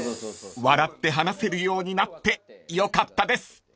［笑って話せるようになってよかったです］